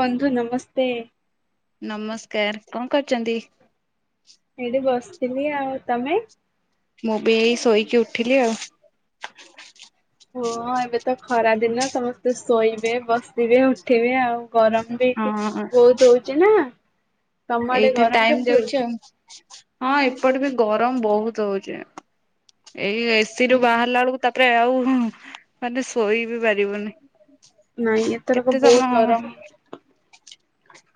ବନ୍ଧୁ ନମସ୍ତେ। ନମସ୍କାର କଁ କରୁଛନ୍ତି? ଏଇଠି ବସିଥିଲି ଆଉ ତମେ? ମୁଁ ବି ଏଇ ଶୋଇକି ଉଠିଲି ଆଉ। ହଁ ଏବେ ତ ଖରା ଦିନ ସମସ୍ତେ ଶୋଇବେ, ବସିବେ, ଉଠିବେ ଆଉ। ଗରମ ବି ଆଉ ହଁ ବହୁତ ହଉଛି ନା। ତମ ଆଡେ ଏଇଥିରେ ଗରମ ଟାଇମ କେମିତି ଯାଉଛି ହଉଛି? ଆଉ। ହଁ ଏପଟେ ବି ଗରମ ବହୁତ ହଉଛି ଏଇ ଏସି ରୁ ବାହାରିଲା ବେଳକୁ ତା ରେ ଆଉ ମାନେ ଶୋଇ ବି ପାରିବୁନି। ନାଇଁ ଏଥରକ କେତେ ବହୁତ ସମୟ ଗରମ।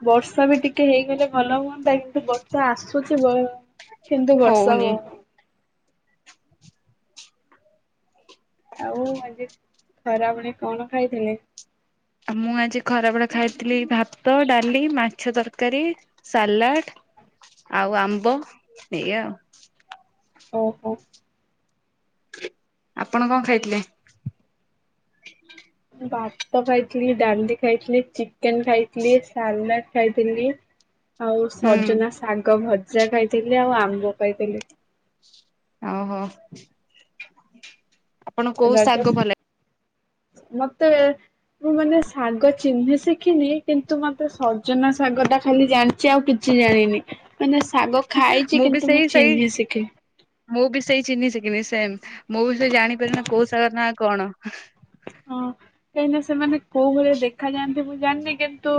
ବର୍ଷା ବି ଟିକେ ହେଇଗଲେ ଭଲ ହୁଅନ୍ତା କିନ୍ତୁ ବ ର୍ଷା ଆସୁଛି ବ କିନ୍ତୁ ବର୍ଷା ହଉନି। ଆଉ ଆଜି ଖରାବେଳେ କଣ ଖାଇଥିଲେ? ଆଉ ମୁଁ ଆଜି ଖରାବେଳେ ଖାଇଥିଲି ଭାତ, ଡାଲି, ମାଛ ତରକାରୀ। ସାଲାଡ୍ ଆଉ ଆମ୍ବ ଏଇଆ‌। ଓହୋ। ଆପଣ କଣ ଖାଇଥିଲେ? ଭାତ ଖାଇଥିଲି ଡାଲି ଖାଇଥିଲି ଚିକେନ ଖାଇଥିଲି ସାଲାଡ୍ ଖାଇଥିଲି। ଆଉ ହୁଁ ସଜନା ଶାଗ ଭଜା ଖାଇଥିଲି ଆଉ ଆମ୍ବ ଖାଇଥିଲି। ଓହୋ। ଆପଣ କୋଉ ଶାଗ ରାଜ ଭଲ ଲାଗେ? ଶ ମତେ। ମୁଁ ମାନେ ଶାଗ ଚିହ୍ନି ଶିଖିନି କିନ୍ତୁ ମତେ ସଜନା ଶାଗ ଟା ଖାଲି ଜାଣି ଚି ଆଉ କିଛି ଜାଣିନି ମାନେ ଶାଗ ଖାଇଛି ବି କିନ୍ତୁ ସେଇ ମୁଁ ସେଇ ଚିହ୍ନି ଶିଖି ମୁଁ ବି ସେଇ ଚିହ୍ନି ସିକିିନି ସେମ୍ ମୁଁ ବି ସେଇ ଜାଣିପାରେ ନା କୋଉ ସାଗର ନାଁ କଣ। ହଁ କାହିଁ ନା ସେମାନେ କୋଉ ଭଳିଆ ଦେଖା ଯାଆନ୍ତି ମୁଁ ଜାଣିନି କିନ୍ତୁ।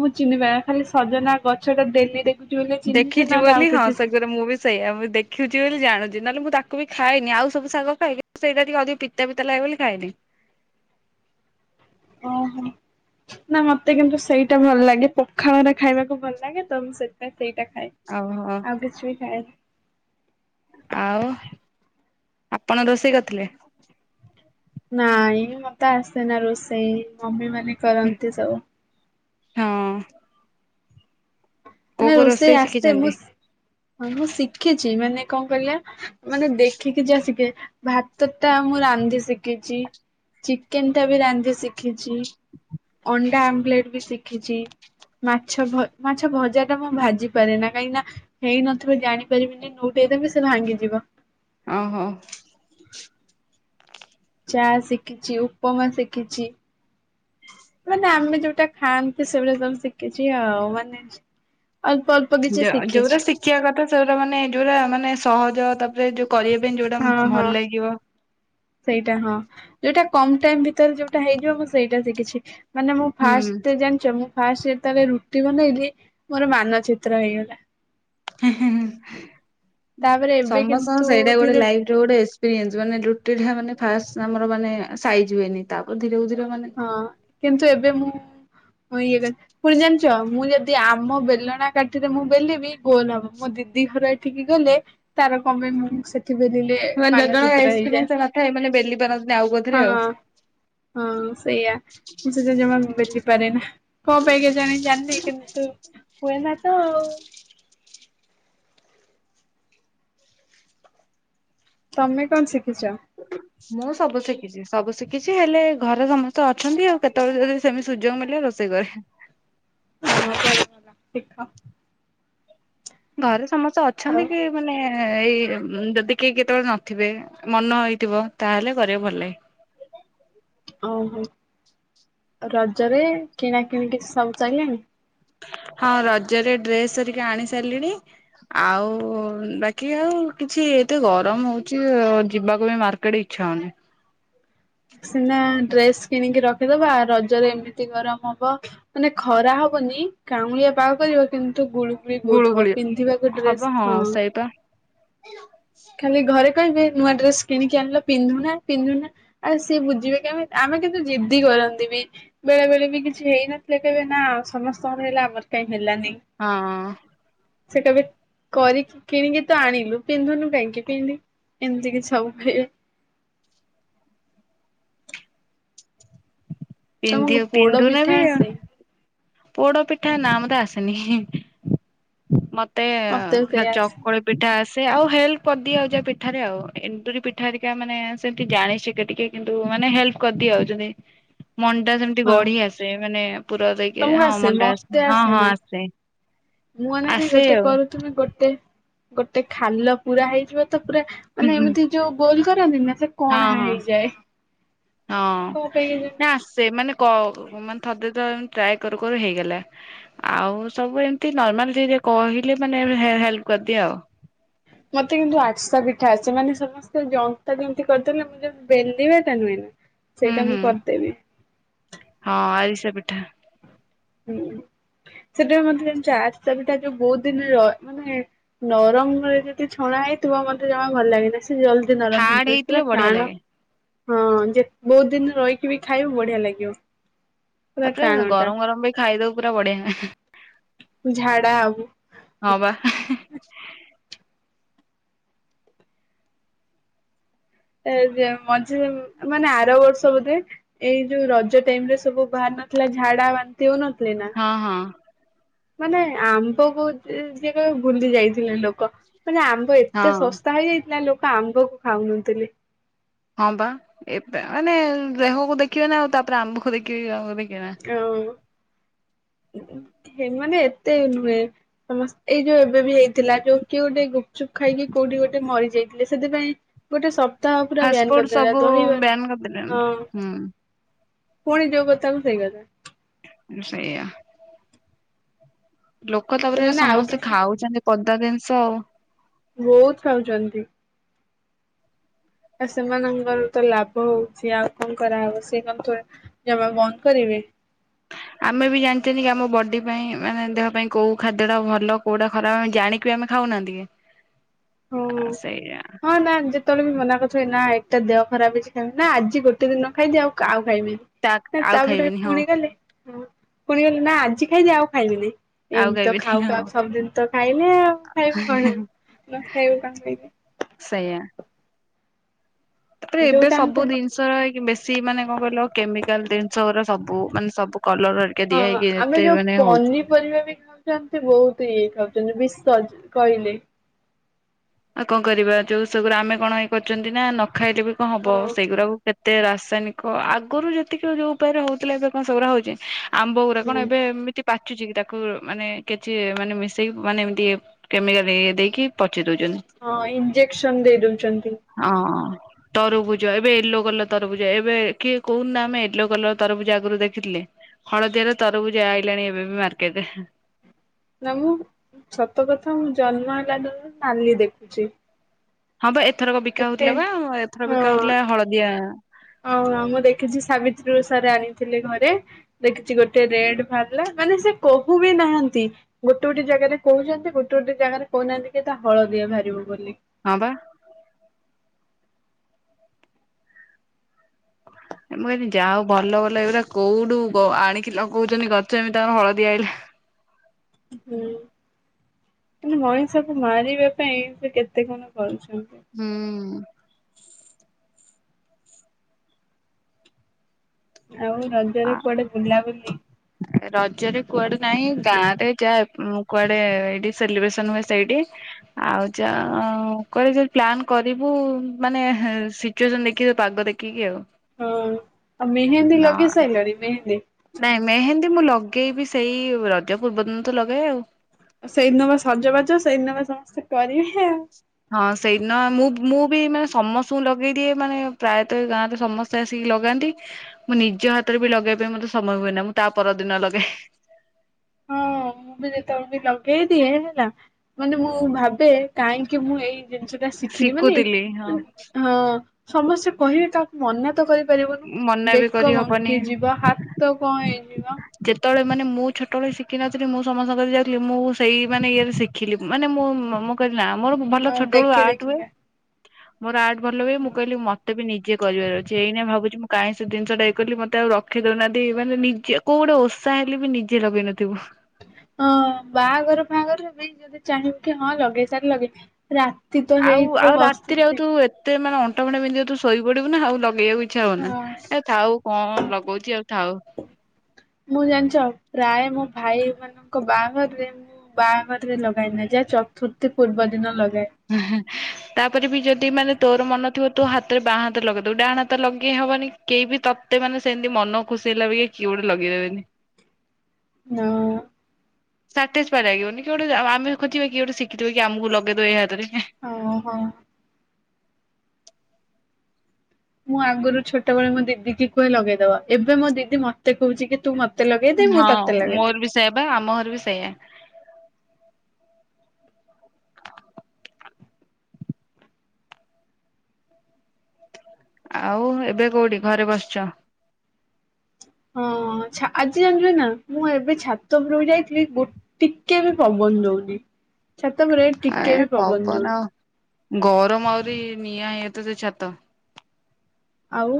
ମୁଁ ଚିହ୍ନି ପାରେନା ଖାଲି ସଜନା ଗଛ ଟା ଡେଲି ଦେ ଦେଖିଚି ବୋଲି ହଁ ସେଗରେ ମୁଁ ବି। ସେଇଆ ମୁଁ ଦେଖୁଛି ବୋଲି ଜାଣୁଛି ନହେଲେ ମୁଁ ତାକୁ ବି ଖାଏନି ଆଉ ସବୁ ଶାଗ ଖାଏ କିନ୍ତୁ ସେଇଟା ଟିକେ ଅଧିକ ପି ପିତା ପିତା ଲାଗେ ବୋଲି ଖାଏନି। ଓହୋ। ନା ମତେ କିନ୍ତୁ ସେଇଟା ଭଲ ଲାଗେ ପଖାଳରେ ଖାଇବାକୁ ଭଲ ଲାଗେ ତ ମୁଁ ସେଥିପାଇଁ ସେଇଟା ଖାଏ। ଓହୋ। ଆଉ କିଛି ବି ଖାଇ। ଆଉ ଆପଣ ରୋଷେଇ କରିଥିଲେ? ନାଇଁ ମତେ ଆସେନା ରୋଷେଇ ମମି ମାନେ ହୁଁ କରନ୍ତି ସବୁ। ହଁ। କୋଉ ମାନେ କୋଉ ରୋଷେଇ ଆସେ ଶିଖିଛନ୍ତି? ମୁଁ। ହଁ ମୁଁ ଶିଖିଛି ମାନେ କଣ କଇଲେ ମାନେ ଦେଖିକି ଯାଆ ଶିଖେ। ଭାତ ଟା ମୁଁ ରାନ୍ଧି ଶିଖିଛି। ଚିକେନ ଟା ବି ରାନ୍ଧି ଶିଖିଛି। ଅଣ୍ଡା ଆମ୍ବଲେଟ ବି ଶିଖିଛି। ମାଛ ଭ ମାଛ ଭଜା। ମୁଁ ଭାଜି ପାରେ ନା କାହିଁକି ନା ହେଇନଥିବ ଜାଣିପାରିବିନି ନୋଉଟାଇ ଦେବି ସେ ଭାଙ୍ଗିଯିବ। ଓ ହ। ଚା ଶିଖିଛି ଉପମା ଶିଖିଛି। ମାନେ ଆମେ ଯୋଉଟା ଖାଆନ୍ତି ସେଇଗୁଟା ସବୁ ଶିଖିଛି ଆଉ ମାନେ ଅଳ୍ପ କିଛି ଶିଖିଛି ଜଗୁର ଶିଖିବା କଥା ସେଉଟା ମାନେ ଯୋଉଟା ମାନେ ସହଜ ତାପରେ ଯୋଉ କରିବା ପାଇଁ ଯୋଉଟା ହଁ ହଁ ଭଲ ଲାଗିବ। ସେଇଟା ହଁ ଯୋଉଟା କମ ଟାଇମ ଭିତରେ ଯୋଉଟା ହେଇଯିବ ମୁଁ ସେଇଟା ଶିଖିଛି। ମାନେ ମୁଁ ହୁଁ। ଫାଷ୍ଟ ଜାଣିଛ ମୁଁ ଫାଷ୍ଟ ଯେତେବେଳେ ରୁଟି ବନେଇଲି ମୋର ମାନ ଚିତ୍ର ହେଇଗଲା। ହୁଁ ହୁଁ ହୁଁ ତାପରେ ଏବେ କିନ୍ତୁ ସମସ୍ତଙ୍କର ସେଇଟା ଗୋଟେ ଧୀରେ ଲାଇଫ। ଗୋଟେ ଏକ୍ସପିରିଏନ୍ସ ମାନେ ରୁଟିଟା ମାନେ ଫାଷ୍ଟ ଆମର ମାନେ ସାଇଜ ହୁଏନି ତାପ ଧୀରେକୁ ଧୀରେ ମାନେ ହଁ କିନ୍ତୁ ଏବେ ମୁଁ ଇଏ କ ପୁଣି ଜାଣିଛ ମୁଁ ଯଦି ଆମ ବେଲଣା କାଠିରେ ମୁଁ ବେଲିବି ଗୋ ନ ହବ ମୋ ଦିଦି ଘର ଏଠି ଠିକି ଗଲେ ତାର କମେ ମୁ ବେଲିଲେ ମାନେ ଜଣ ଜଣଙ୍କ ମାନଚିତ୍ର ଏକ୍ସପିରିଏନ୍ସ ହେଇଯାଏ ନଥାଏ ମାନେ ବେଲି ପାରନ୍ତିନି ଆଉ କୋଉଥିରେ ଆଉ। ହଁ। ହଁ ସେଇଆା ମୁ ସେତ ଜମା ବୁଲି ପାରେ ନା କୋଣ ପାଇଁକା ଜାଣ ଜାଣିଲି କିନ୍ତୁ ହୁଏ ନା ତ ଆଉ। ତମେ କଣ ଶିଖିଛ? ମୁଁ ସବୁ ଶିଖିଛି। ସବୁ ଶିଖିଛି ହେଲେ ଘରେ ସମସ୍ତେ ଅଛନ୍ତି ଆଉ କେତେବେଳେ ଯଦି ସେମିତି ସୁଯୋଗ ମିଳେ ରୋଷେଇ କରେ। ହଁ ଭଲ ଭଲ ଶିଖ। ଘରେ ସମସ୍ତେ ଆଉ ଅଛନ୍ତି କି? ମାନେ ଏଇ ଯଦି କେହି କେତେବେଳେ ନଥିବେ ମନ ହେଇଥିବ ତାହେଲେ କରିବା ଭଲ ଲାଗେ। ଓହୋ ରଜରେ କିଣା କିିଣିିକି ସବୁ ଚଳିଲାଣି। ହଁ ରଜରେ ଡ୍ରେସ ହେରିକ ଆଣି ସାରିଲିଣି। ଆଉ ବାକି ଆଉ କିଛି ଏତେ ଗରମ ହଉଛି ଯିବାକୁ ବି ମାର୍କେଟଇ ଆଚ୍ଛା ହଉନି। ସିନା ଡ୍ରେସ କିଣିକି ରଖିଦବା ରଜରେ ଏମିତି ଗରମ ହବ। ମାନେ ଖରା ହବନି କାଉଁଳିଆ ପାଗ କରିବ କିନ୍ତୁ ଗୁଳୁ ବହୁତ ହବା ଗୁଳୁଗୁଳି ପିନ୍ଧିବାକୁ ହବ ଡ୍ରେସ ହଁ। ସେଇପା ଖାଲି ଘରେ କହିବେ ନୂଆ ଡ୍ରେସ୍ କିଣିକି ଆଣିଲ ପିନ୍ଧୁନା ପିନ୍ଧୁନା। ଆଉ ସିଏ ବୁଝିବେ କେମିତି ଆମେ କିନ୍ତୁ ଜିଦ୍ଦି କରନ୍ତି ବି ବେଳେ ବେଳେ ବି କିଛି ହେଇନଥିଲେ କେବେ ନା ଆ ସମସ୍ତଙ୍କର ହେଲା ଆମର କାଇହିଁ ହେଲାନି। ହଁ। ସେଇଟା ବି କରି କିଣିକି ତ ଆଣିଲୁ ପିନ୍ଧୁନୁ କାହିଁକି ପିନ୍ଧି ଏମିତି କି ସବୁ ହୁଏ। ତମକୁ ପିନ୍ଧିବ ପୋଡ ପିନ୍ଧୁନ ପିଠା ବି ଆଉ। ଆସେ ପୋଡ ପିଠା ନା ମତେ ଆସେନି ହିଁ ମତେ ମତେ ବି ଖାଲି ସେଇଆ ଆସେ ଚକୁଳି ପିଠା ଆସେ ଆଉ ହେଲ୍ପ କରିଦି ଆଉ ଯା ପିଠାରେ ଆଉ ଏନ୍ଦୁରି ପିଠା ହେରିକା ମାନେ ସେମିତି ଜାଣିସିକେ ଟିକେ କିନ୍ତୁ ମାନେ ହେଲ୍ପ କରିଦିଅ [unintelligible] [inaudible] ମଣ୍ଡା ସେମିତି ହଁ ଗଢି ଆସେ ମାନେ ପୁର ଦେଇ ତମକୁ ବା ସେମା କେବଳ ଶେମା ମୁଁ [unintelligible] ମାନେ ଆସେ ଗୋଟେ ଆଉ କର ତୁମେ ଗୋଟେ ଗୋଟେ ଖାଲ ପୁରା ହେଇଯିବ ତ ପୁରା ହୁଁ ମାନେ ହୁଁ ଏମିତି ଯଉ ଗୋଲ କରନ୍ତି ନା ସେ ହଁ କଣା ହଁ ହେଇଯାଏ। ହଁ କଣ ପାଇଁ କେଜାଣି? ନା ଆସେ ମାନେ କ ଅ ହଁ ମାନେ ଥରେ ଦି ଥର ଏମିତି ଟ୍ରାଏ କରୁ କରୁ ହେଇଗଲା ଆଉ ସବୁ ଏମତି ନର୍ମାଲି ଟିକେ କହିଲେ ମାନେ ହେ ହେଲପ କରିଦିଏ ଆଉ ମତେ କିନ୍ତୁ ଆଠସା ପିଠା ଆସେ ମାନେ ସବୁ ସେ ଜନ୍ତା ଯେମତି କରିଦେଲେ ମୁଁ ଯେ ବେଲିବା ଟା ନୁହେଁ ନା ହୁଁ ସେଇଟା ହୁଁ ମୁଁ କରିଦେବି। ହଁ ଆରିସା ପିଠା। ହୁଁ ସେଥିପାଇ ମତେ ସେ ଆରିସା ପିଟା ଯୋଉ ବହୁତ ଦିନ ରହ ମାନେ ନରମରେ ଯଦି ଛଣା ହେଇଥିବ ମତେ ଜମା ଭଲ ଲାଗେନି ସେ ଜଲଦିି ନରମ୍ ହେଇ ହାର୍ଡ ପଇ ହେଇଥିଲେ ପୁରା ବଢିଆ ଟାଣ ଲାଗେ। ହଁ ଯେ ବହୁତ ଦିନ ରହିକି ବି ଖାଇବୁ ବଢିଆ ଲାଗିବ। ପୁରା ତାପରେ ଟାଣଟା। ଗରମ ଗରମ ବି ଖାଇଦବୁ ପୁରା ବଢଆ। ଝାଡା ହବୁ। ହଁ ବା ଏ ଯେ ମଝି ମାନେ ଆର ବର୍ଷ ବୋଧେ ଏଇ ଯୋଉ ରଜ ଟାଇମ ରେ ସବୁ ବାହାର ନଥିଲା ଝାଡା ବାନ୍ତି ହଉ ନଥିଲେ ନା। ହଁ ହଁ। ମାନେ ଆନ୍ଦ ପୁର ଯି ଯିଏ କହିବ ବୁଲି ଯାଇଥିଲେ ଲୋକ ମାନେ ଆମ୍ ଆ ଏତେ ହଁ ଶସ୍ତା ହେଇଯାଇଥିଲା ଲୋକ ଆମ୍ବ କୁ ଖାଉନଥିଲେ। ହଁ ବା ଏବେ ମାନେ ଦେହକୁ ଦେଖିବେ ନା ଆଉ ତାପରେ ଆମ୍ବକୁ ଦେଖିବ ଆକୁ ଦେଖିବେ ନା ଆଉ ସେମାନେ ଏତେ ନୁହେଁ ସମସ୍ତ ଏଇ ଯୋଉ ଏବେ ବି ହେଇଥିଲା ଯୋଉ କିଏ ଗୋଟେ ଗୁପଚୁପ ଖାଇକି କୋଉଠି ଗୋଟେ ମରିଯାଇଥିଲେ ସେଥିପାଇଁ ଗୋଟେ ସପ୍ତାହ ପୁରା ବ୍ୟାନ ଫାଷ୍ଟଫୁଡ କରିଦେଲା ସବୁ ବ୍ୟାନ ଦହିବାର କରିଦେଲେଣି। ହଁ ହୁଁ ପୁଣି ଯୋଉ କଥାକୁ ସେଇ କଥା ମୁଁ ସେଇୟା। ଲୋକ ତାପରେ ସେମାନେ ଆଉ ସମସ୍ତେ କିଛି ଖାଉଛନ୍ତି ପଦା ଜିନିଷ ଆଉ। ବହୁତ ଖାଉଛନ୍ତି। ଆ ସେମାନଙ୍କର ତ ଲାଭ ହଉଛି ଆଉ କଣ କରାହବ ସେ କଣ। [unintelligible] ଜମା ବନ୍ଦ କରିବେ। ଆମେ ବି ଜାଣିଛନ୍ତି କି ଆମ ବଡି ପାଇଁ ମାନେ ଦେହ ପାଇଁ କୋଉ ଖାଦ୍ୟ ଟା ଭଲ କୋଉଟା ଖରାପ ଆମେ ଜାଣି କି ଆମେ ଖାଉନାହାନ୍ତିକି? ହଉ ହଁ ନା ଯେ ସେତେବେଳେ ବି ମନା କରିଥିବେ ନା ଏଟା ଦେହ ଖରାପ ହେଇଛି ଖ ନା ଆଜି ଗୋଟେ ଦିନ ନ ଖାଇଦିଅ ଆଉ ଆଉ ଖାଇବିନି। ତା ନା ଆଉ ତାପରେ ଖାଇବିନି ହଁ ପୁଣି ଗଲେ ପୁଣି ଗଲେ ନା ଆଜି ଖାଇଦିଏ ଆଉ ଖାଇବି ନାହି। ଆଉ ଏମିତି ତ ଖାଇବିନି ଖାଉ ଖାଉ ହଁ ସବୁଦିନ ତ ଖାଇଲେ ଆଉ ଖାଇବୁ କଣ ଆଉ ନ ଖାଇବୁ କଣ ଖାଇ ସେଇୟା। ତାପରେ ଏବେ ଯୋଉଟା ଆମକୁ ସବୁ ଜିନିଷ [unintelligible] ବେଶୀ ମାନେ କଣ କହିଲ କେମିକାଲ ଜିନିଷ ଗୁରା ସବୁ ମାନେ ସବୁ କଲର କେ ଦିଆ ହେଇକି ଏତେ ମାନେ ହଉଛି। ପରିବା ବି ଖାଉଛନ୍ତି ବହୁତ ଇଏ ଖାଉଛନ୍ତି ବିଶ କାଇଟ କହିଲେ ଆଉ କଣ କରିବା ଯୋଉ ସେଗୁରାଆ ଆମେ କଣଇ କରିଛନ୍ତି ନା ନ ଖାଇଲେ ବି କଣ ହଁ ହବ ସେଇଗୁଡାକୁ କେତେ ରାସାୟନିକ ଆଗରୁ ଯେତିକି ଯୋଉ ଉପାୟରେ ହଉଥିଲା ଏବେ କଣ ସେଉରାଆ ହଉଛି। ଆମ୍ବ ଗୁୁରା କଣ ହୁଁ ଏବେ ଏମିତି ପାଚୁଛି କି ତାକୁ ମାନେ କିଛି ମାନେ ମିଶେଇକି ମାନେ ଏମିତି କେମିିକାଲ ଦେଇ ଦେଇକି ପଚି ଦଉଛନ୍ତି। ହଁ ଇଞ୍ଜେକ୍ସନ ଦେଇ ଦଉଛନ୍ତି। ଅଂ। ତରଭୁଜ ଏବେ ୟେଲୋ କଲର ତରଭୁଜ ଏବେ କିଏ କହୁନୁ ଆମେ ୟେଲୋ କଲର ତରଭୁଜ ଆଗରୁ ଦେଖିଥିଲେ? ହଳଦିଆର ତରଭୁଜ ଆଇଲାଣି ଏବେ ବେ ମାର୍କେଟ ନା ମୁଁ ସତ କଥା ମୁଁ ଜନ୍ମ ହେଲା ଦିନୁ ନାଲି ଦେଖୁଛି। ହଁ ବା ଏଥରକ ବିକା ଏବେ ହଉଥିଲା ବା ଏଥର ବିକା ହଁ ହଉଥିଲା ହଳଦିଆ ଆଉ ମୁଁ ଦେଖିଛି ସାବିତ୍ରୀ ଓଷାରେ ଆଣିଥିଲେ ଘରେ ଦେଖିଛି ଗୋଟେ ରେଡ ବାହାରିଲା, ମାନେ ସେ କହୁ ବି ନାହାନ୍ତି। ଗୋଟେ ଗୋଟେ ଜାଗାରେ କହୁଛନ୍ତି ଗୋଟେ ଗୋଟେ ଜାଗାରେ କହୁନାହାନ୍ତି କି ତା ହଳଦିଆ ବାହାରିବ ବୋଲି। ହଁ ବା। ମୁଁ କହିଲି ଯା ହଉ ଭଲ ଭଲ ଏଗୁରା କୋଉଠୁ ଆଣିକି କି ଲଗଉଛନ୍ତି ଗଛ ଏମିତି ତାଙ୍କର ହଳଦିଆ ଆଇଲା। ହୁଁ। ମାନେ ମଣିଷ କୁ ମାରିବା ପାଇଁ ସେ କେତେ କଣ କରୁଛନ୍ତି। ହୁଁ। ଆଉ ଆ ରଜରେ କୁଆଡେ ବୁଲାବୁଲି ରଜରେ କୁଆଡୁ ନାହିଁ ଗାଁ ରେ ଯାଏ କୁଆଡେ ଏଇଠି ସେଲିବ୍ରେସନ ହୁଏ ସେଇଠି। ଆଉ ଯ କହିଲି ଯଦି ପ୍ଲାନ୍ କରିବୁ ମାନେ ଜଉ ଦିନ ଦେଖି ପାଗ ଦେଖିକି ଆଉ। ହଁ ଆଉ ମେହେନ୍ଦୀ ନା ଲଗେଇ ସାଇଲଣି ମେହେନ୍ଦୀ। ନାଇଁ ମେହେନ୍ଦୀ ମୁଁ ଲଗେଇବି ସେଇ ରଜ ପୂର୍ବଦିନ ତ ଲଗାଏ ଆଉ। ସେଇଦିନ ବା ସଜବାଜ ସେଇଦିନ ବା ସମସ୍ତେ କରିବେ ଆଉ। ହଁ ସେଇଦିନ ମୁଁ ମୁଁ ବି ମାନେ ସମସ୍ତଙ୍କୁ ଲଗେଇଦିଏ ମାନେ ପ୍ରାୟତଃ ଗାଁରେ ସମସ୍ତେ [unintelligible] ଆସିକି ଲଗାନ୍ତି ମୁଁ ନିଜ ହାତରେ ବି ଲଗେଇବା ପାଇଁ ମତେ ସମୟ ହୁଏ ନା ମୁଁ ତା ପରଦିନ ଲଗେ। ହଁ ମୁଁ ବି ଯେତେବେଳେ ବି ଲଗେଇ ଦିଏ ହେଲା। ମାନେ ମୁଁ ଭାବେ କାହିଁକି ମୁଁ ଏଇ ଜିନିଷ ଟା ଶିଖିଲି ମାନେ ଶିଖୁଥିଲି ହଁ। ହଁ ସମସ୍ତେ କହିବେ ତ ମନା ତ ମନା କରିପାରିବୁନୁ ବି ବେକ କରିହବନି। ବଙ୍କି ଯିବା ହା ତ କଣ ହେଇଯିବ ଯେତେବେଳେ ମାନେ ମୁଁ ଛୋଟବେଳେ ଶିଖିିନଥିଲି ମୁଁ ସମସ୍ତକ ଯାଉଥିଲି ମୁଁ ସେଇ ମାନେ ଇଏରେ ଶିଖିଲି ମାନେ ମୁଁ- [unintelligible] ନା ମୋର ଭଲ ହଁ ଛୋଟ ବେଳୁ ଦେଖି ଆର୍ଟ ହୁଏ ଦେଖିକା। ମୋର ଆଟ ଭଲ ହୁଏ ମୁଁ କହିଲି ମତେ ନିଜେ କରିବାର ଅଛି ଏଇନେ ଭାବୁଛି ମୁ କାଇଁ ସେ ଜିନିଷଟା ଇ କଲି ମତେ ଆଉ ରଖେଇ ଦଉନାହାନ୍ତି ମାନେ ନିଜ କୋଉ ଗୋଟେ ଓଷା ହେଲେ ବି ନିଜେ ଲଗେଇନଥିବୁ। ହଁ ବାହାଘର ଫାହାଘର ବି ଯଦି ଚାହିଁବୁ କି ହଁ ଲଗେଇ ସାରିଲେ ଲଗେଇ ରାତି ତ ଆଉ ଆଉ ହେଇଥିବ ରାତିରେ ଆଉ ବସିଥି ତୁ ଏତେ ମାନେ ଅଣ୍ଟା ଫଣ୍ଟା ବିନ୍ଧିଯାଉଥିବ୍ ତୁ ଶୋଇ ପଡିବୁ ନା ଆଉ ଲଗେଇବାକୁ ଇଛା ହୁଅନା ହଁ ଏ ଥାଉ କଣ ଲଗଉଛି ଆଉ ଥାଉ। ମୁଁ ଜାଣିଛ ପ୍ରାୟେ ମୋ ଭାଇ ମାନଙ୍କ ବାହାଘରରେ ବାଘରରେ ଲଗାଏନା ଯାଏ ଚତୁର୍ଥୀ ପୂର୍ବ ଦିନ ଲଗାଏ। ତାପରେ ବି ଯଦି ମାନେ ତୋର ମନଥିବ ତୁ ହାତରେ ବାଁ ହାତରେ ଲଗେଇଦବୁ ଡାହାଣା ହାତରେ ଲଗେଇ ହବନି। କେହି ବି ତତେ ମାନେ ସେମତି ମନ ଖୁସି ହେଲା ବି କିଏ ଗୋଟେ ଲଗେଇଦେବେନି। ହଁ। [unintelligible] ଲାଗିବନି କିଏ ଗୋଟେ ଆମେ ଖୋଜିବା କିଏ ଗୋଟେ ଶିଖିଥିବ କି ଆମକୁ ଲଗେଇଦବ ଏଇ ହାତରେ। ଓହୋ। ମୁଁ ଆଗରୁ ଛୋଟବେଳୁ ମୋ ଦିଦି କି କୁହେ ଲଗେଇଦବ ଏବେ ମୋ ଦିଦି ମତେ କହୁଛି କି ତୁ ମତେ ମତେ ଲେଗେଇ ଦେ ମୁଁ ତତେ ଲଗେଇଦେବି। ସେୟାବା ଆମ ଘରେ ବି ସେଇୟା। ଆଉ ଏବେ କୋଉଠି ଘରେ ବସିଛ। ହଁ ଛା ଆଜି ଜାଣିଚ ନା ମୁଁ ଏବେ ଛାତ ଉପୁରୁ କୁ ଯାଇଥିଲି ଗୋ ଟିକିଏ ବି ପବନ ଦଉନି ଛାତ ଉପରେ ଟିକିଏ ବି ପବନ ଦଉନି। ଗରମ ଆହୁରି ନିଆଁ ହେଇତ ସେ ଛାତ। ଆଉ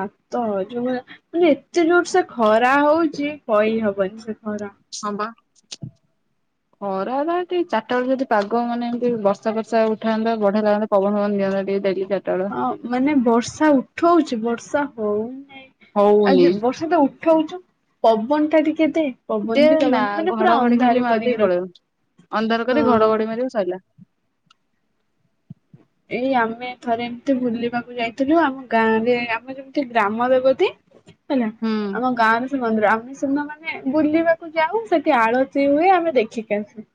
ହ ତ ଯୋଉମାନେ ମାନେ ଏତେ ଜୋର ସେ ଖରା ହଉଛି କହି ହବନି ସେ ଖରା। [unintelligible] [inaudible] ଖରା ଚାରଟା ବେଳେ ଯଦି ପାଗ ମାନେ ଏମିତି ବର୍ଷା ବର୍ଷା ଉଠାନ୍ତା ବଢିଆ ଲାଗନ୍ତା। କବଣ ହ ନିଅ ଟେରଟବେଳେ ହଁ ମାନେ ବର୍ଷା ଉଠଉଛି ବର୍ଷା ହଉନାହିଁ ହଉନି ଆଉ ବର୍ଷା ତ ଉଠ ଛୁ ପବନଟା ଟିକେ ଦେ ଦେ ପବନ ବି ନା ଦବନି ମାନେ ପୁରା ଘଡଘଡି ଖାଲି ଅନ୍ଧାର କରିକି ମାରିଦେଇ ରଖି ପଳେଇବ ଅନ୍ଧାର କରି ହଁ। ଘଡ ଘଡି ମାରିକି ସରିଲା। ଏଇ ଆମେ ଥରେ ଏମିତି ବୁଲିବାକୁ ଯାଇଥିଲୁ, ଆମ ଗାଁ ରେ ଆମ ଯେମିତି ଗ୍ରାମ ଦେବତି। ହେଲା ହୁଁ ଆମ ଗାଁରେ ମ ଆମେ ସୁନା ମାନେ ବୁଲିବାକୁ ଯାଉ ସେଠି ଆଳତି ହୁଏ ଆମେ ଦେଖିକି ଆସୁ।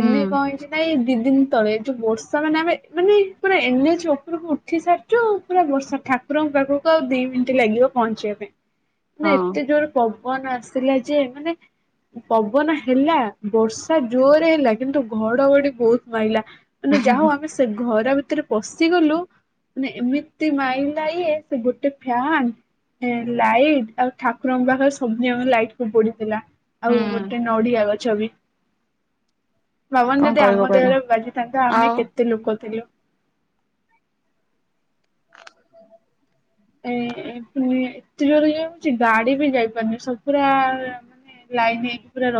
ହୁଁ କଣ ହେଇଛି ନାଇ ଦି ଦିନ ତଳେ ଯୋଉ ବର୍ଷା ମାନେ ଆମେ ମାନେ ପୁରା ଏମେ ଚୋ ଉପରକୁ ଉଠି ସାରିଛୁ ଆଉ ପୁରା ବର୍ଷା ଠାକୁରଙ୍କ ପାଖକୁ ଆଉ ଦି ମିନିଟ ଲାଗିବ ପହଞ୍ଚିବା ପାଇଁ ହଁ। ନା ଏତେ ଜୋର ପଗବାନ ଆସିଲା ଯେ ମାନେ ପବନ ହେଲା ବର୍ଷା ଜୋରରେ ହେଲା କିନ୍ତୁ ଘଡଘଡି ବହୁତ ମାରିଲା। ମାନେ ଯା ହଉ ଆମେ ସେ ଘର ଭିତରେ ପଶିଗଲୁ। ମେ ଏମିତି ମାଇଲା ସେ ଗୋଟେ ଫ୍ୟନ୍। ଲାଇଟ୍ ଆଉ ଠାକୁରଙ୍କ ପାଖରେ ସବୁଦିନ ଆ ଲାଇଟ୍ କୁ ପଡିଥିଲା। ଆଉ ହୁଁ ଗୋଟେ ନଡିଆ ଗଛ। ବାବନ କଣ ଯଦି କହିବ ଆମ କହିଲ ଦେହରେ ବାଜିଥାନ୍ନ୍ତତା ଆମେ ଆଉ କେତେ ଲୋକ ଥିଲୁ। [inaudible] [inaudible] ଏତେ ଜୋର ଯ ହଉଛି ଗାଡି ବି ଯାଇପାରୁନି ସବ ପୁରା ମାନେ ଲାଇନ ହେଇକି ପୁରା